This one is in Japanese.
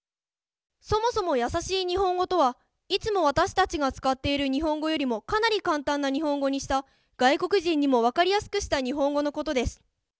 そもそも「やさしい日本語」とはいつも私たちが使っている日本語よりもかなり簡単な日本語にした外国人にも分かりやすくした日本語のことです。